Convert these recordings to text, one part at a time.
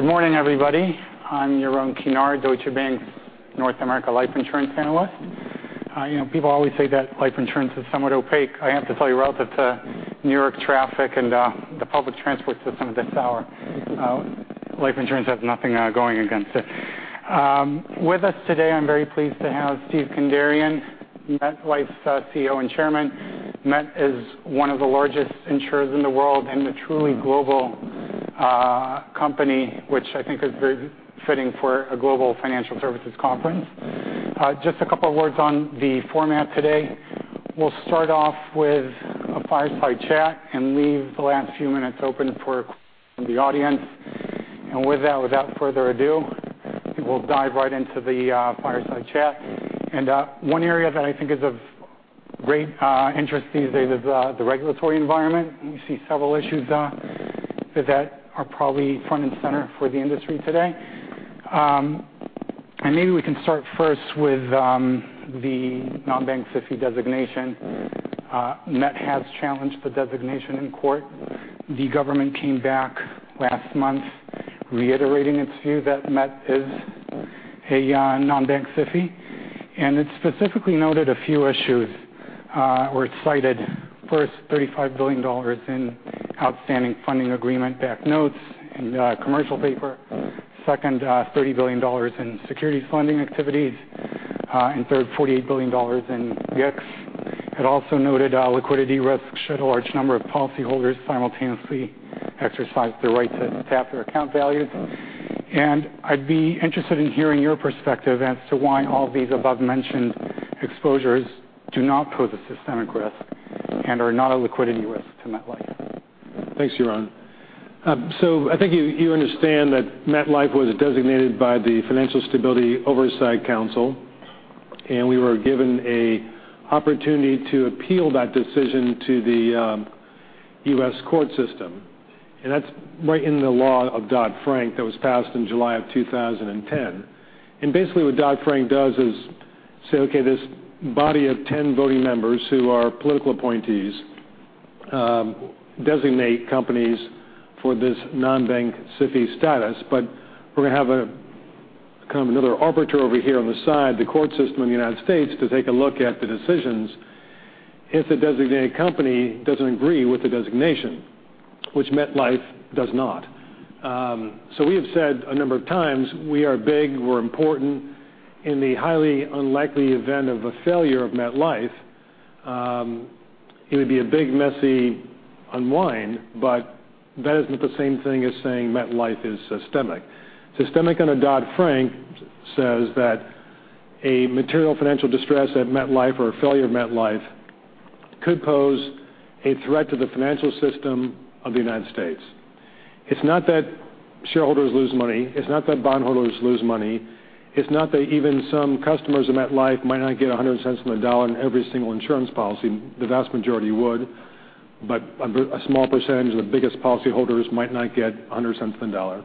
Good morning, everybody. I'm Yuran Konar, Deutsche Bank North America life insurance analyst. People always say that life insurance is somewhat opaque. I have to tell you, relative to New York traffic and the public transport system this hour, life insurance has nothing going against it. With us today, I'm very pleased to have Steve Kandarian, MetLife's CEO and Chairman. Met is one of the largest insurers in the world and a truly global company, which I think is very fitting for a global financial services conference. Just a couple of words on the format today. We'll start off with a fireside chat and leave the last few minutes open for the audience. Without further ado, I think we'll dive right into the fireside chat. One area that I think is of great interest these days is the regulatory environment. You see several issues that are probably front and center for the industry today. Maybe we can start first with the non-bank SIFI designation. Met has challenged the designation in court. The government came back last month reiterating its view that Met is a non-bank SIFI, it specifically noted a few issues were cited. First, $35 billion in outstanding funding agreement-backed notes and commercial paper. Second, $30 billion in securities funding activities. Third, $48 billion in GICs. It also noted liquidity risks should a large number of policyholders simultaneously exercise their right to tap their account values. I'd be interested in hearing your perspective as to why all these above-mentioned exposures do not pose a systemic risk and are not a liquidity risk to MetLife. Thanks, Yuran. I think you understand that MetLife was designated by the Financial Stability Oversight Council, we were given an opportunity to appeal that decision to the U.S. court system. That's right in the law of Dodd-Frank that was passed in July of 2010. Basically what Dodd-Frank does is say, okay, this body of 10 voting members who are political appointees designate companies for this non-bank SIFI status. We're going to have kind of another arbiter over here on the side, the court system in the United States, to take a look at the decisions if the designated company doesn't agree with the designation, which MetLife does not. We have said a number of times, we are big, we're important. In the highly unlikely event of a failure of MetLife, it would be a big, messy unwind, that isn't the same thing as saying MetLife is systemic. Systemic under Dodd-Frank says that a material financial distress at MetLife or a failure of MetLife could pose a threat to the financial system of the United States. It's not that shareholders lose money. It's not that bondholders lose money. It's not that even some customers of MetLife might not get $1.00 on the dollar on every single insurance policy. The vast majority would. A small percentage of the biggest policyholders might not get $1.00 on the dollar.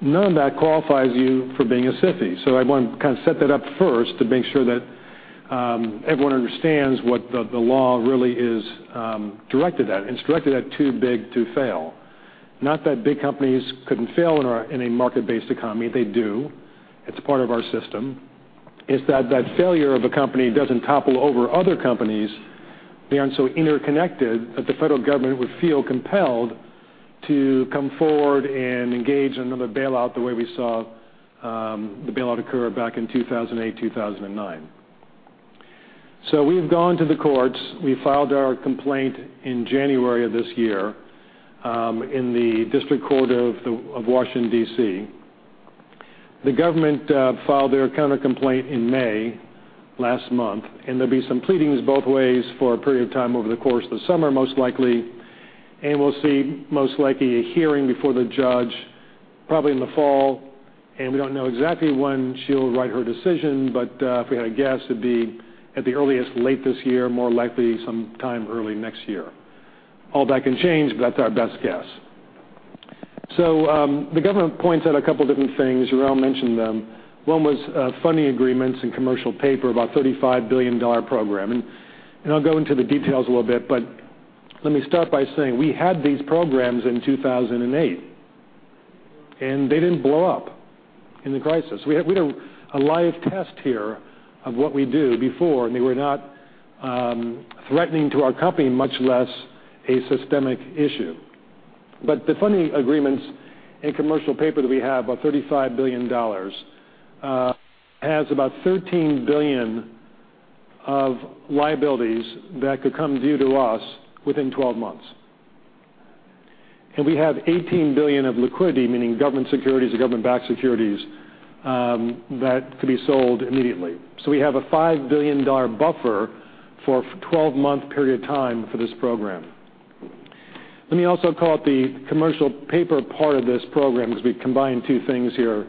None of that qualifies you for being a SIFI. I want to kind of set that up first to make sure that everyone understands what the law really is directed at. It's directed at too big to fail. Not that big companies couldn't fail in a market-based economy. They do. It's part of our system. It's that that failure of a company doesn't topple over other companies. They aren't so interconnected that the federal government would feel compelled to come forward and engage another bailout the way we saw the bailout occur back in 2008, 2009. We've gone to the courts. We filed our complaint in January of this year in the District Court of Washington, D.C. The government filed their counter-complaint in May, last month. There'll be some pleadings both ways for a period of time over the course of the summer, most likely, and we'll see most likely a hearing before the judge probably in the fall. We don't know exactly when she'll write her decision, but if we had to guess, it'd be at the earliest late this year, more likely sometime early next year. All that can change, but that's our best guess. The government points out a couple different things. Yuran mentioned them. One was funding agreements and commercial paper, about a $35 billion program. I'll go into the details a little bit, but let me start by saying we had these programs in 2008. They didn't blow up in the crisis. We had a live test here of what we do before, and they were not threatening to our company, much less a systemic issue. The funding agreements and commercial paper that we have, about $35 billion, has about $13 billion of liabilities that could come due to us within 12 months. We have $18 billion of liquidity, meaning government securities or government-backed securities, that could be sold immediately. We have a $5 billion buffer for a 12-month period of time for this program. Let me also call out the commercial paper part of this program because we combine two things here,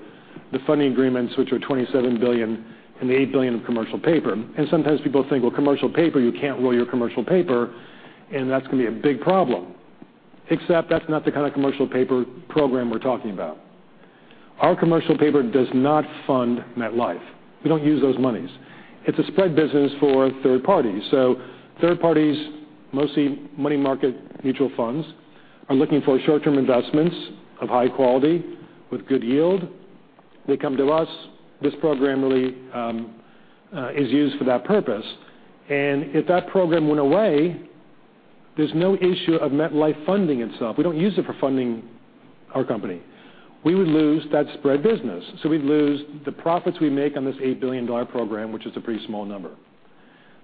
the funding agreements, which are $27 billion, and the $8 billion of commercial paper. Sometimes people think, well, commercial paper, you can't roll your commercial paper, and that's going to be a big problem. Except that's not the kind of commercial paper program we're talking about. Our commercial paper does not fund MetLife. We don't use those monies. It's a spread business for third parties. Third parties, mostly money market mutual funds, are looking for short-term investments of high quality with good yield. They come to us. This program really is used for that purpose. If that program went away, there's no issue of MetLife funding itself. We don't use it for funding our company. We would lose that spread business. We'd lose the profits we make on this $8 billion program, which is a pretty small number.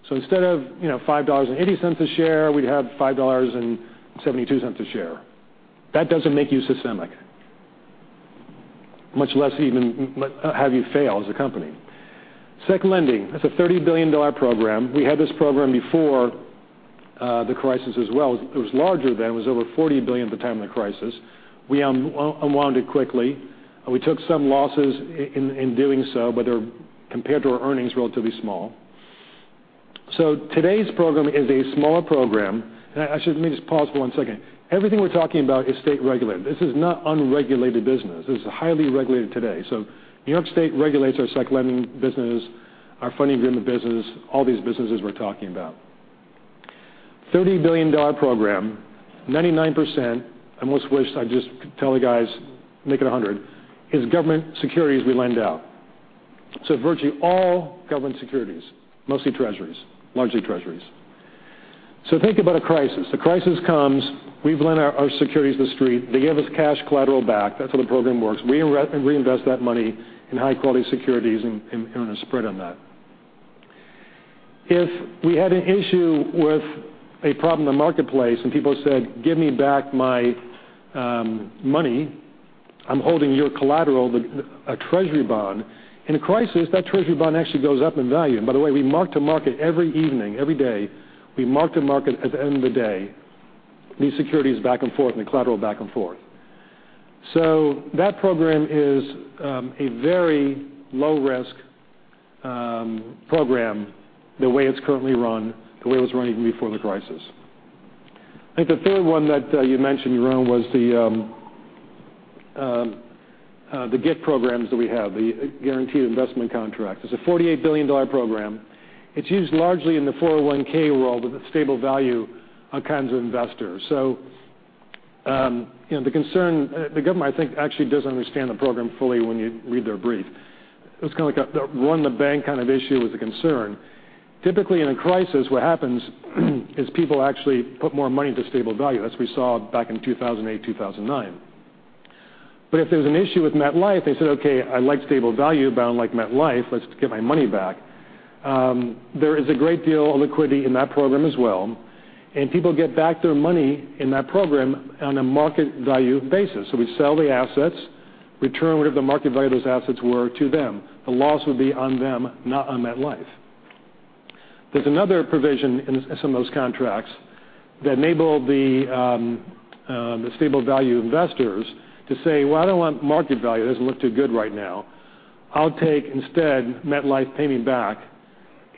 Instead of $5.80 a share, we'd have $5.72 a share. That doesn't make you systemic, much less even have you fail as a company. Sec lending, that's a $30 billion program. We had this program before the crisis as well. It was larger then. It was over $40 billion at the time of the crisis. We unwound it quickly. We took some losses in doing so, but they're, compared to our earnings, relatively small. Today's program is a smaller program. Actually, let me just pause for one second. Everything we're talking about is state regulated. This is not unregulated business. This is highly regulated today. New York State regulates our securities lending business, our funding agreement business, all these businesses we are talking about. A $30 billion program, 99%, I almost wish I just could tell the guys, make it 100, is government securities we lend out. Virtually all government securities, mostly Treasuries, largely Treasuries. Think about a crisis. The crisis comes, we have lent our securities to the street. They give us cash collateral back. That is how the program works. We reinvest that money in high-quality securities and earn a spread on that. If we had an issue with a problem in the marketplace, and people said, "Give me back my money. I am holding your collateral, a Treasury bond," in a crisis, that Treasury bond actually goes up in value. By the way, we mark-to-market every evening, every day. We mark-to-market at the end of the day, these securities back and forth, and the collateral back and forth. That program is a very low-risk program the way it is currently run, the way it was running before the crisis. I think the third one that you mentioned, Juran, was the GIC programs that we have, the Guaranteed Investment Contract. It is a $48 billion program. It is used largely in the 401(k) world with a stable value on kinds of investors. The government, I think, actually does not understand the program fully when you read their brief. It is kind of like a run the bank kind of issue is a concern. Typically in a crisis, what happens is people actually put more money into stable value, as we saw back in 2008, 2009. If there is an issue with MetLife, they said, "Okay, I like stable value, but I do not like MetLife. Let us get my money back." There is a great deal of liquidity in that program as well, and people get back their money in that program on a market value basis. We sell the assets, return whatever the market value of those assets were to them. The loss would be on them, not on MetLife. There is another provision in some of those contracts that enable the stable value investors to say, "Well, I do not want market value. It does not look too good right now. I will take, instead, MetLife paying me back."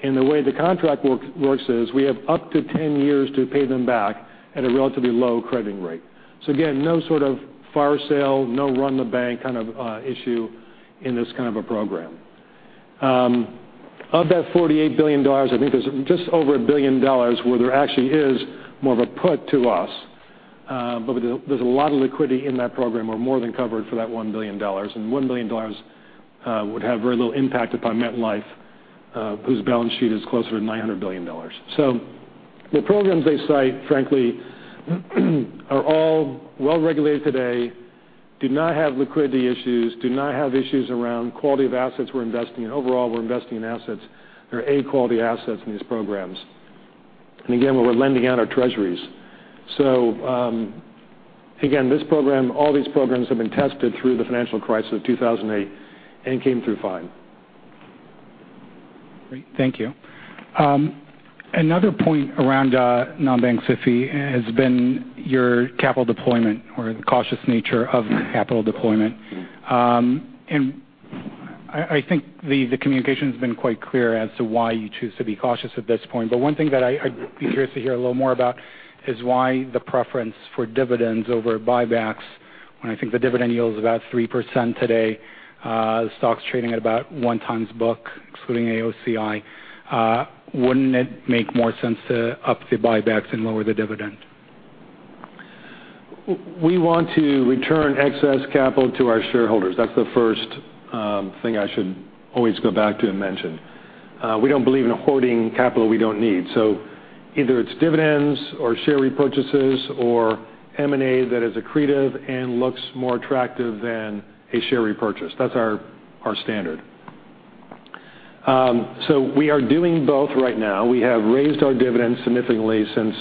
The way the contract works is we have up to 10 years to pay them back at a relatively low crediting rate. Again, no sort of fire sale, no run the bank kind of issue in this kind of a program. Of that $48 billion, I think there is just over $1 billion where there actually is more of a put to us, but there is a lot of liquidity in that program. We are more than covered for that $1 billion, and $1 billion would have very little impact upon MetLife, whose balance sheet is closer to $900 billion. The programs they cite, frankly, are all well-regulated today, do not have liquidity issues, do not have issues around quality of assets we are investing in. Overall, we are investing in A-quality assets in these programs. Again, we are lending out our Treasuries. Again, all these programs have been tested through the financial crisis of 2008 and came through fine. Great. Thank you. Another point around non-bank SIFI has been your capital deployment or the cautious nature of capital deployment. I think the communication's been quite clear as to why you choose to be cautious at this point. One thing that I'd be curious to hear a little more about is why the preference for dividends over buybacks when I think the dividend yield is about 3% today, stock's trading at about one times book, excluding AOCI. Wouldn't it make more sense to up the buybacks and lower the dividend? We want to return excess capital to our shareholders. That's the first thing I should always go back to and mention. We don't believe in hoarding capital we don't need. Either it's dividends, or share repurchases, or M&A that is accretive and looks more attractive than a share repurchase. That's our standard. We are doing both right now. We have raised our dividends significantly since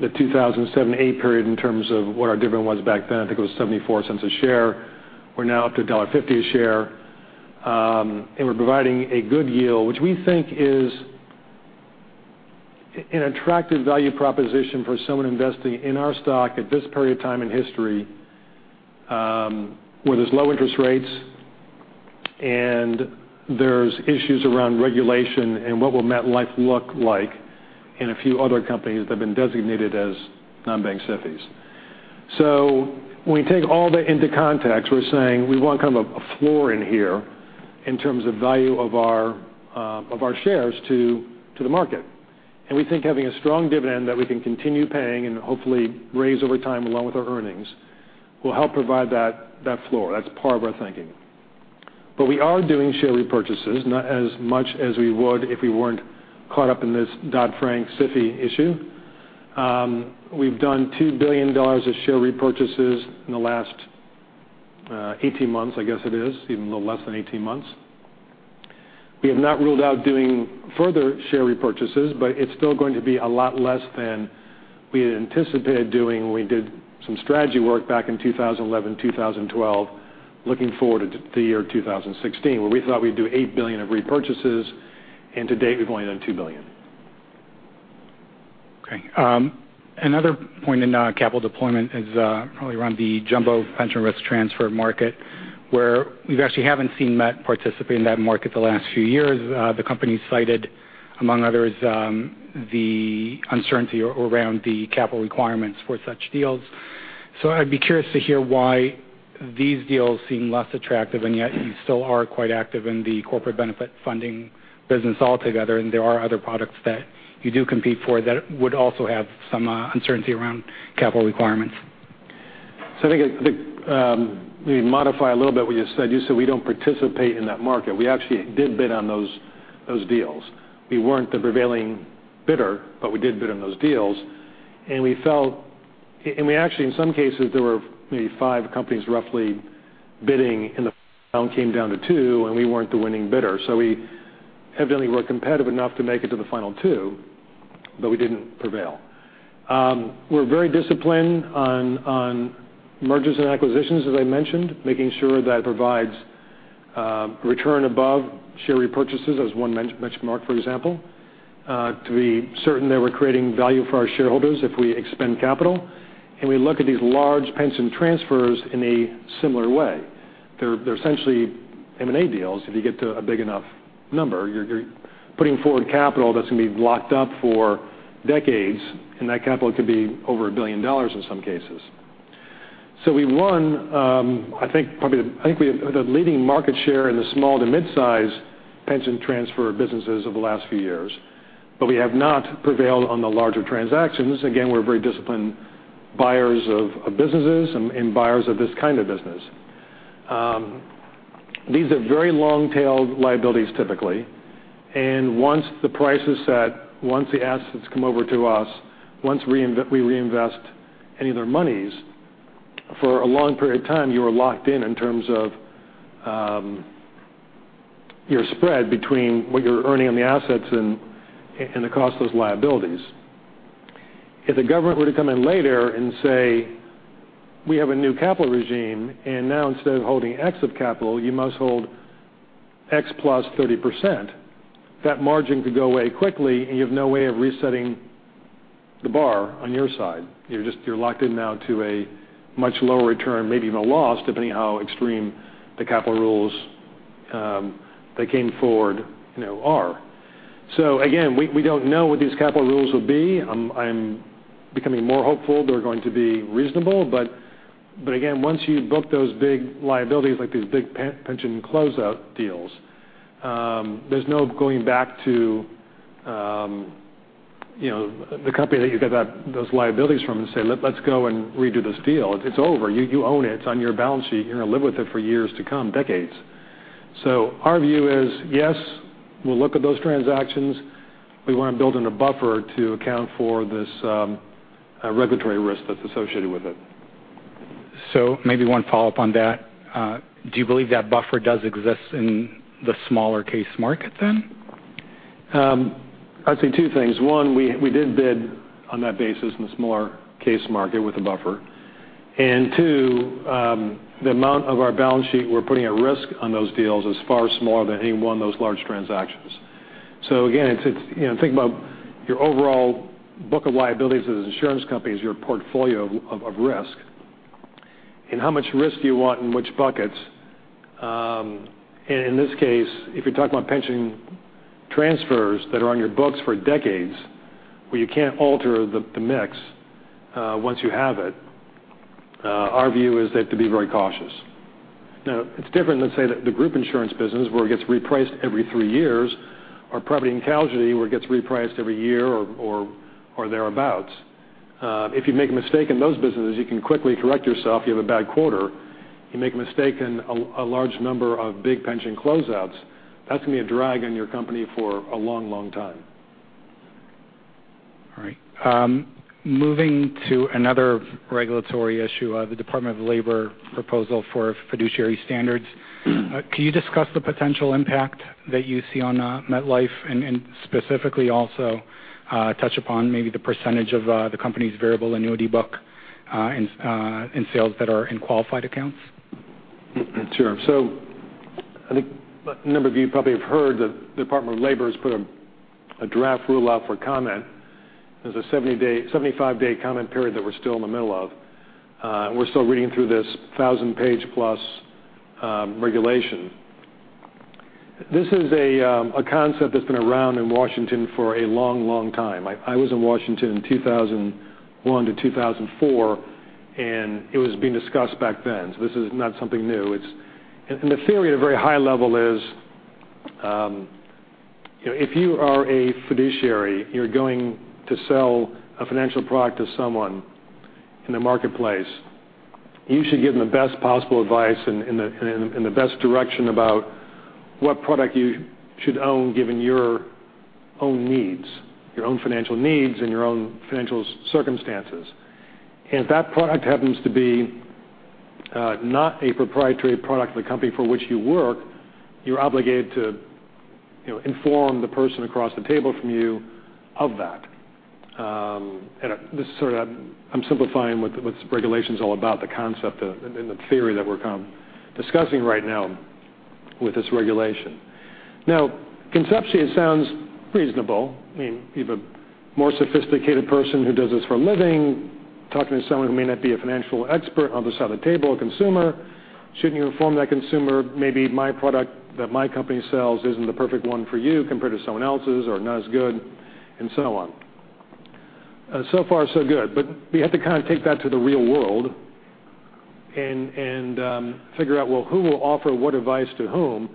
the 2007-2008 period in terms of what our dividend was back then. I think it was $0.74 a share. We're now up to $1.50 a share, and we're providing a good yield, which we think is an attractive value proposition for someone investing in our stock at this period of time in history, where there's low interest rates and there's issues around regulation and what will MetLife look like in a few other companies that have been designated as non-bank SIFIs. When we take all that into context, we're saying we want kind of a floor in here in terms of value of our shares to the market. We think having a strong dividend that we can continue paying and hopefully raise over time, along with our earnings, will help provide that floor. That's part of our thinking. We are doing share repurchases, not as much as we would if we weren't caught up in this Dodd-Frank SIFI issue. We've done $2 billion of share repurchases in the last 18 months, I guess it is, even a little less than 18 months. We have not ruled out doing further share repurchases, it's still going to be a lot less than we had anticipated doing when we did some strategy work back in 2011, 2012, looking forward to the year 2016, where we thought we'd do $8 billion of repurchases, and to date, we've only done $2 billion. Okay. Another point in capital deployment is probably around the jumbo pension risk transfer market, where we actually haven't seen MetLife participate in that market the last few years. The company cited, among others, the uncertainty around the capital requirements for such deals. I'd be curious to hear why these deals seem less attractive, and yet you still are quite active in the corporate benefit funding business altogether. There are other products that you do compete for that would also have some uncertainty around capital requirements. I think maybe modify a little bit what you said. You said we don't participate in that market. We actually did bid on those deals. We weren't the prevailing bidder, but we did bid on those deals. We actually, in some cases, there were maybe five companies roughly bidding, and it came down to two, and we weren't the winning bidder. We evidently were competitive enough to make it to the final two, but we didn't prevail. We're very disciplined on mergers and acquisitions, as I mentioned, making sure that it provides return above share repurchases as one benchmark, for example, to be certain that we're creating value for our shareholders if we expend capital. We look at these large pension transfers in a similar way. They're essentially M&A deals if you get to a big enough number. You're putting forward capital that's going to be locked up for decades, and that capital could be over $1 billion in some cases. We won, I think we have the leading market share in the small to mid-size pension transfer businesses over the last few years, but we have not prevailed on the larger transactions. Again, we're very disciplined buyers of businesses and buyers of this kind of business. These are very long-tailed liabilities typically. Once the price is set, once the assets come over to us, once we reinvest any of their monies, for a long period of time, you are locked in terms of your spread between what you're earning on the assets and the cost of those liabilities. If the government were to come in later and say, "We have a new capital regime, and now instead of holding X of capital, you must hold X plus 30%," that margin could go away quickly, and you have no way of resetting the bar on your side. You are locked in now to a much lower return, maybe even a loss, depending how extreme the capital rules that came forward are. Again, we do not know what these capital rules will be. I am becoming more hopeful they are going to be reasonable. Again, once you book those big liabilities, like these big pension closeout deals, there is no going back to the company that you got those liabilities from and say, "Let us go and redo this deal." It is over. You own it. It is on your balance sheet. You are going to live with it for years to come, decades. Our view is, yes, we will look at those transactions. We want to build in a buffer to account for this regulatory risk that is associated with it. Maybe one follow-up on that. Do you believe that buffer does exist in the smaller case market then? I would say two things. One, we did bid on that basis in the smaller case market with a buffer. Two, the amount of our balance sheet we are putting at risk on those deals is far smaller than any one of those large transactions. Again, think about your overall book of liabilities as an insurance company is your portfolio of risk, and how much risk do you want in which buckets. In this case, if you are talking about pension transfers that are on your books for decades where you cannot alter the mix once you have it, our view is to be very cautious. Now, it is different than, say, the group insurance business where it gets repriced every three years, or property and casualty where it gets repriced every year or thereabouts. If you make a mistake in those businesses, you can quickly correct yourself. You have a bad quarter. You make a mistake in a large number of big pension closeouts, that's going to be a drag on your company for a long, long time. All right. Moving to another regulatory issue, the Department of Labor proposal for fiduciary standards. Can you discuss the potential impact that you see on MetLife and specifically also touch upon maybe the % of the company's variable annuity book in sales that are in qualified accounts? Sure. I think a number of you probably have heard the Department of Labor has put a draft rule out for comment. There's a 75-day comment period that we're still in the middle of. We're still reading through this 1,000 page plus regulation. This is a concept that's been around in Washington for a long time. I was in Washington 2001 to 2004, it was being discussed back then. This is not something new. The theory at a very high level is if you are a fiduciary, you're going to sell a financial product to someone in the marketplace. You should give them the best possible advice and the best direction about what product you should own, given your own needs, your own financial needs, and your own financial circumstances. If that product happens to be not a proprietary product of the company for which you work, you're obligated to inform the person across the table from you of that. I'm simplifying what this regulation's all about, the concept and the theory that we're discussing right now with this regulation. Conceptually, it sounds reasonable. You have a more sophisticated person who does this for a living, talking to someone who may not be a financial expert on the other side of the table, a consumer. Shouldn't you inform that consumer, maybe my product that my company sells isn't the perfect one for you compared to someone else's or not as good, and so on. So far so good. You have to take that to the real world and figure out, well, who will offer what advice to whom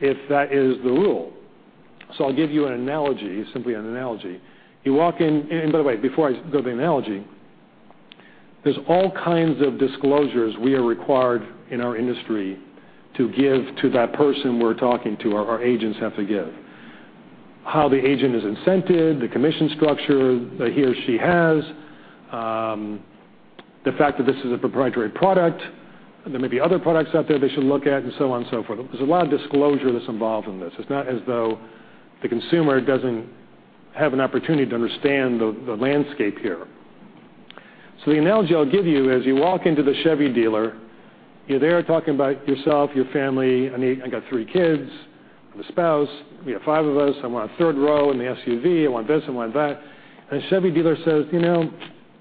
if that is the rule? I'll give you an analogy, simply an analogy. By the way, before I go to the analogy, there's all kinds of disclosures we are required in our industry to give to that person we're talking to, or our agents have to give. How the agent is incented, the commission structure that he or she has, the fact that this is a proprietary product. There may be other products out there they should look at, and so on and so forth. There's a lot of disclosure that's involved in this. It's not as though the consumer doesn't have an opportunity to understand the landscape here. The analogy I'll give you is you walk into the Chevy dealer. You're there talking about yourself, your family. I got three kids, the spouse, we have five of us. I want a third row in the SUV. I want this, I want that. The Chevy dealer says,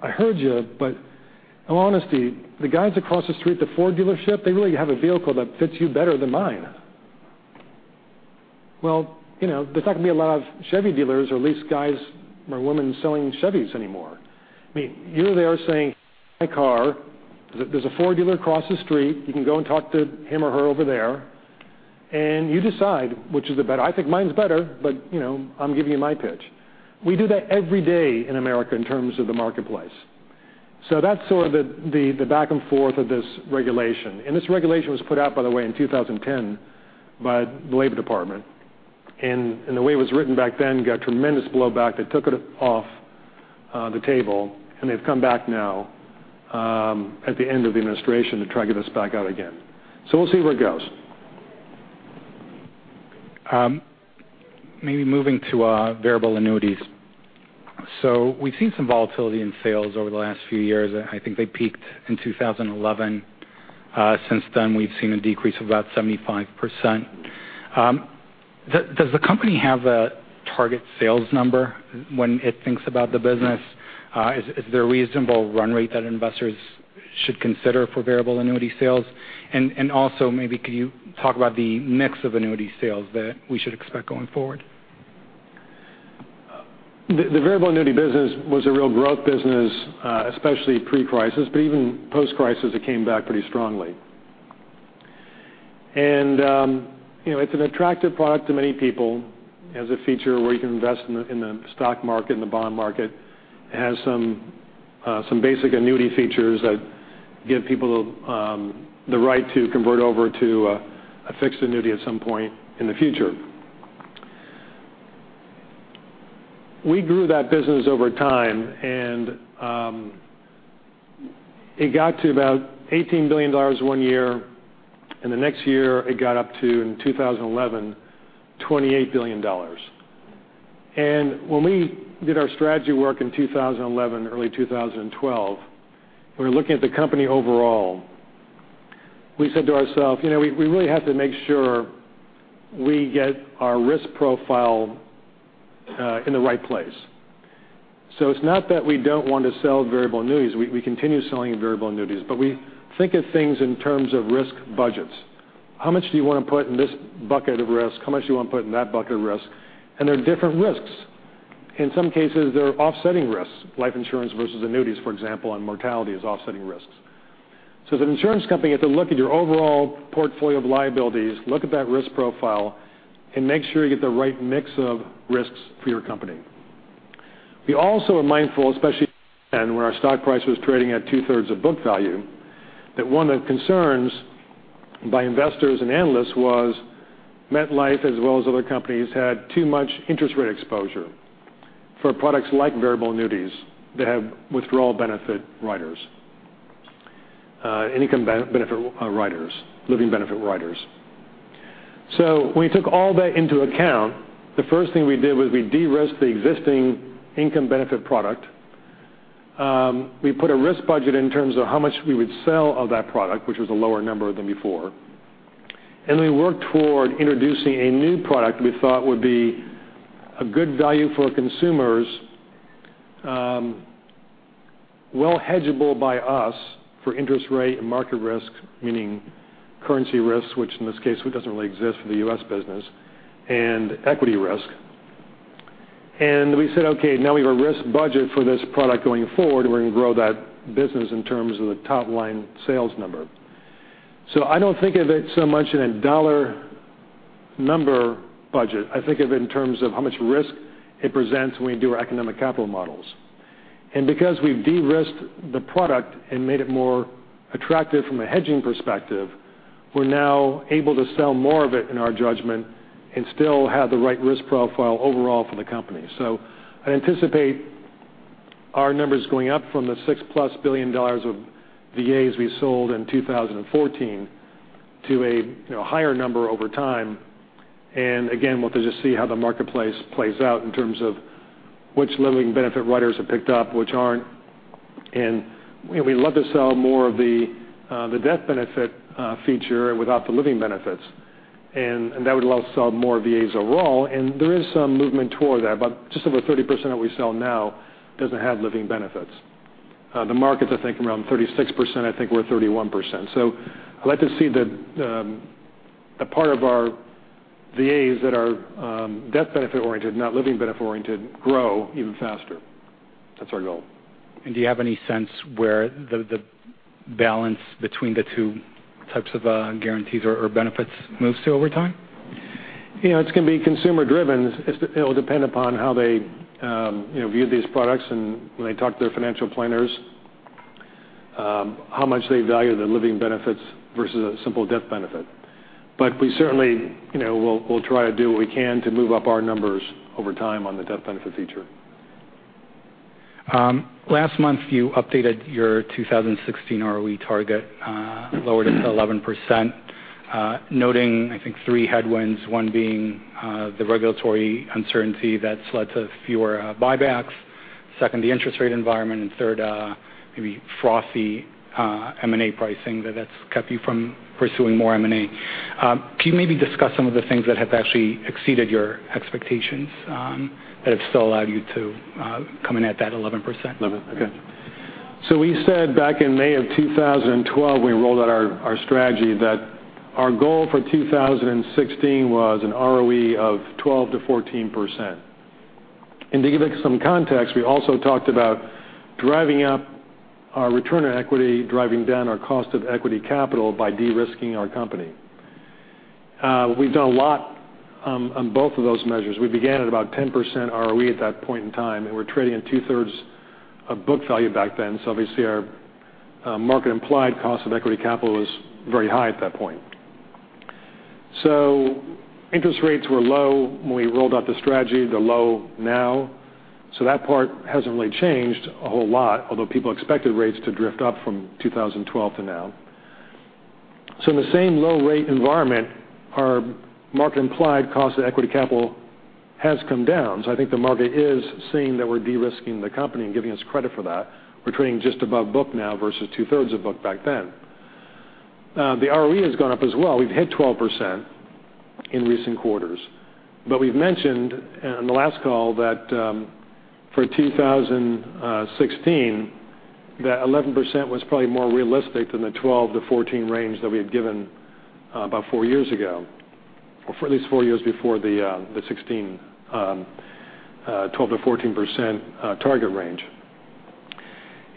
"I heard you, but in all honesty, the guys across the street, the Ford dealership, they really have a vehicle that fits you better than mine." Well, there's not going to be a lot of Chevy dealers, or at least guys or women selling Chevys anymore. You're there saying, "My car, there's a Ford dealer across the street. You can go and talk to him or her over there, and you decide which is the better. I think mine's better, but I'm giving you my pitch." We do that every day in America in terms of the marketplace. That's sort of the back and forth of this regulation. This regulation was put out, by the way, in 2010 by the Labor Department, and the way it was written back then got tremendous blowback. They took it off the table, and they've come back now at the end of the administration to try to get this back out again. We'll see where it goes. Maybe moving to variable annuities. We've seen some volatility in sales over the last few years. I think they peaked in 2011. Since then, we've seen a decrease of about 75%. Does the company have a target sales number when it thinks about the business? Is there a reasonable run rate that investors should consider for variable annuity sales? Also maybe could you talk about the mix of annuity sales that we should expect going forward? The variable annuity business was a real growth business, especially pre-crisis, but even post-crisis, it came back pretty strongly. It's an attractive product to many people, as a feature where you can invest in the stock market and the bond market. It has some basic annuity features that give people the right to convert over to a fixed annuity at some point in the future. We grew that business over time, and it got to about $18 billion one year, and the next year it got up to, in 2011, $28 billion. When we did our strategy work in 2011, early 2012, we were looking at the company overall. We said to ourselves, "We really have to make sure we get our risk profile in the right place." It's not that we don't want to sell variable annuities. We continue selling variable annuities. We think of things in terms of risk budgets. How much do you want to put in this bucket of risk? How much do you want to put in that bucket of risk? They're different risks. In some cases, they're offsetting risks. Life insurance versus annuities, for example, and mortality is offsetting risks. As an insurance company, you have to look at your overall portfolio of liabilities, look at that risk profile, and make sure you get the right mix of risks for your company. We also are mindful, especially then, where our stock price was trading at two-thirds of book value, that one of concerns by investors and analysts was MetLife, as well as other companies, had too much interest rate exposure for products like variable annuities that have withdrawal benefit riders, income benefit riders, living benefit riders. We took all that into account. The first thing we did was we de-risked the existing income benefit product. We put a risk budget in terms of how much we would sell of that product, which was a lower number than before. We worked toward introducing a new product we thought would be a good value for consumers, well hedgeable by us for interest rate and market risk, meaning currency risks, which in this case doesn't really exist for the U.S. business, and equity risk. We said, "Okay, now we have a risk budget for this product going forward." We're going to grow that business in terms of the top-line sales number. I don't think of it so much in a dollar number budget. I think of it in terms of how much risk it presents when we do our economic capital models. Because we've de-risked the product and made it more attractive from a hedging perspective, we're now able to sell more of it, in our judgment, and still have the right risk profile overall for the company. I anticipate our numbers going up from the $6-plus billion of VAs we sold in 2014 to a higher number over time. Again, we'll just see how the marketplace plays out in terms of which living benefit riders have picked up, which aren't. We'd love to sell more of the death benefit feature without the living benefits. That would allow us to sell more VAs overall, and there is some movement toward that. About just over 30% that we sell now doesn't have living benefits. The market, I think, around 36%, I think we're 31%. I'd like to see the part of our VAs that are death benefit oriented, not living benefit oriented, grow even faster. That's our goal. Do you have any sense where the balance between the two types of guarantees or benefits moves to over time? It's going to be consumer driven. It'll depend upon how they view these products and when they talk to their financial planners, how much they value the living benefits versus a simple death benefit. We certainly will try to do what we can to move up our numbers over time on the death benefit feature. Last month, you updated your 2016 ROE target, lowered it to 11%, noting, I think, three headwinds, one being the regulatory uncertainty that's led to fewer buybacks. Second, the interest rate environment, and third, maybe frothy M&A pricing that's kept you from pursuing more M&A. Can you maybe discuss some of the things that have actually exceeded your expectations, that have still allowed you to come in at that 11%? 11, okay. We said back in May 2012, we rolled out our strategy that our goal for 2016 was an ROE of 12%-14%. To give it some context, we also talked about driving up our return on equity, driving down our cost of equity capital by de-risking our company. We've done a lot on both of those measures. We began at about 10% ROE at that point in time, and we were trading at two-thirds of book value back then. Obviously, our market-implied cost of equity capital was very high at that point. Interest rates were low when we rolled out the strategy. They're low now. That part hasn't really changed a whole lot, although people expected rates to drift up from 2012 to now. In the same low-rate environment, our market-implied cost of equity capital has come down. I think the market is seeing that we're de-risking the company and giving us credit for that. We're trading just above book now versus two-thirds of book back then. The ROE has gone up as well. We've hit 12% in recent quarters. We've mentioned in the last call that for 2016, that 11% was probably more realistic than the 12%-14% range that we had given about four years ago, or at least four years before the 2016 12%-14% target range.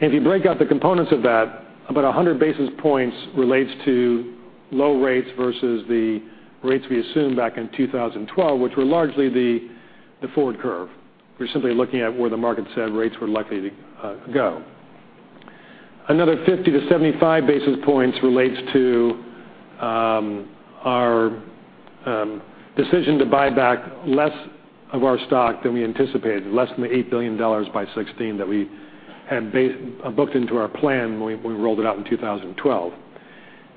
If you break out the components of that, about 100 basis points relates to low rates versus the rates we assumed back in 2012, which were largely the forward curve. We're simply looking at where the market said rates were likely to go. Another 50-75 basis points relates to our decision to buy back less of our stock than we anticipated, less than the $8 billion by 2016 that we had booked into our plan when we rolled it out in 2012.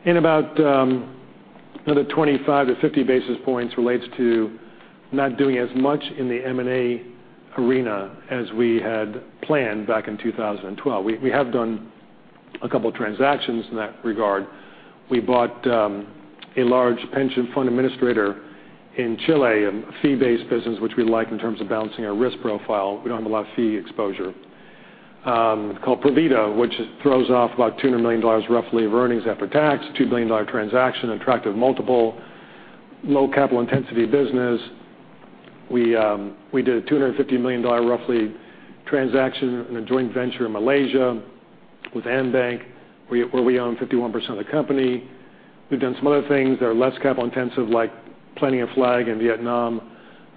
About another 25-50 basis points relates to not doing as much in the M&A arena as we had planned back in 2012. We have done a couple of transactions in that regard. We bought a large pension fund administrator in Chile, a fee-based business, which we like in terms of balancing our risk profile. We don't have a lot of fee exposure, called Provida, which throws off about $200 million roughly of earnings after tax, a $2 billion transaction, attractive multiple, low capital intensity business. We did a $250 million, roughly, transaction in a joint venture in Malaysia with AmBank, where we own 51% of the company. We've done some other things that are less capital intensive, like planting a flag in Vietnam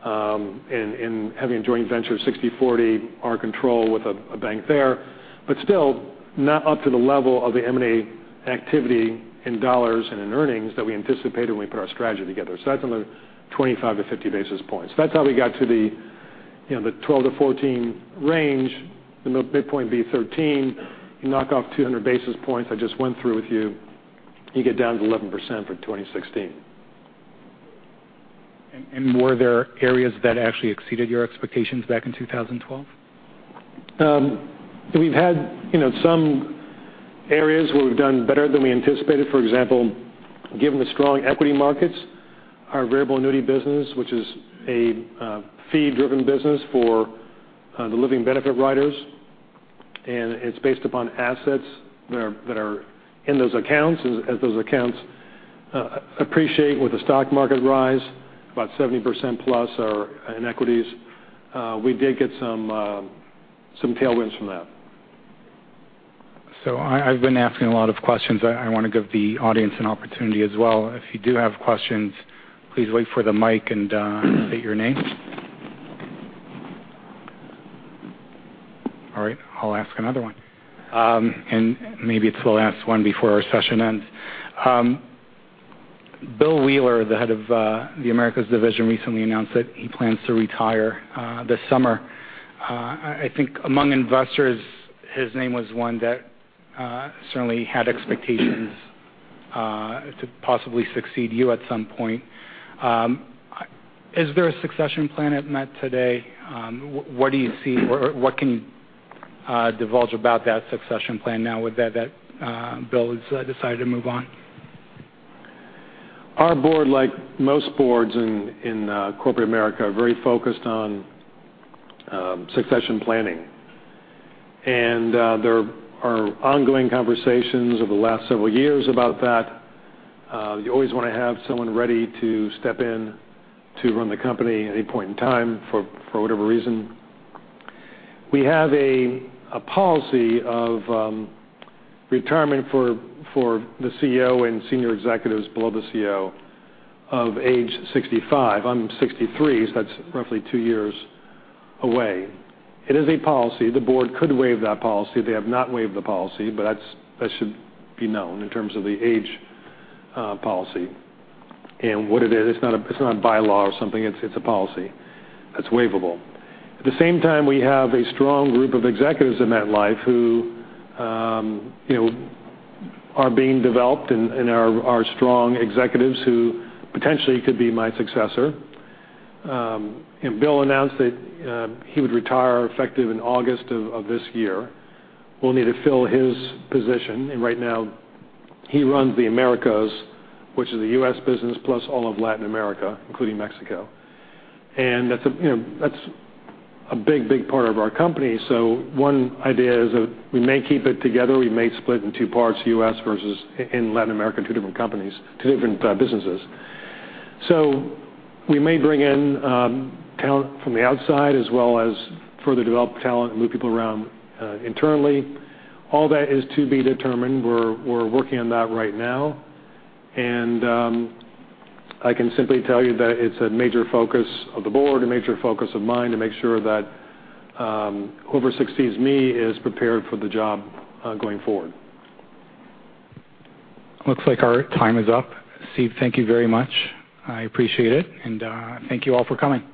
and having a joint venture of 60/40, our control with a bank there. Still, not up to the level of the M&A activity in dollars and in earnings that we anticipated when we put our strategy together. That's another 25-50 basis points. That's how we got to the 12%-14% range, the midpoint being 13%. You knock off 200 basis points I just went through with you get down to 11% for 2016. Were there areas that actually exceeded your expectations back in 2012? We've had some areas where we've done better than we anticipated. For example, given the strong equity markets, our variable annuity business, which is a fee-driven business for the living benefit riders, and it's based upon assets that are in those accounts. As those accounts appreciate with the stock market rise, about 70% plus are in equities. We did get some tailwinds from that. I've been asking a lot of questions. I want to give the audience an opportunity as well. If you do have questions, please wait for the mic and state your name. All right, I'll ask another one. Maybe it's the last one before our session ends. Bill Wheeler, the head of the Americas division, recently announced that he plans to retire this summer. I think among investors, his name was one that certainly had expectations to possibly succeed you at some point. Is there a succession plan at Met today? What can you divulge about that succession plan now that Bill has decided to move on? Our board, like most boards in corporate America, are very focused on succession planning. There are ongoing conversations over the last several years about that. You always want to have someone ready to step in to run the company at any point in time for whatever reason. We have a policy of retirement for the CEO and senior executives below the CEO of age 65. I'm 63, so that's roughly two years away. It is a policy. The board could waive that policy. They have not waived the policy, but that should be known in terms of the age policy and what it is. It's not a bylaw or something. It's a policy that's waivable. At the same time, we have a strong group of executives in MetLife who are being developed and are strong executives who potentially could be my successor. Bill announced that he would retire effective in August of this year. We'll need to fill his position. Right now he runs the Americas, which is the U.S. business plus all of Latin America, including Mexico. That's a big part of our company. One idea is that we may keep it together, we may split in two parts, U.S. versus in Latin America, two different companies, two different businesses. We may bring in talent from the outside as well as further develop talent and move people around internally. All that is to be determined. We're working on that right now. I can simply tell you that it's a major focus of the board, a major focus of mine to make sure that whoever succeeds me is prepared for the job going forward. Looks like our time is up. Steve, thank you very much. I appreciate it, and thank you all for coming.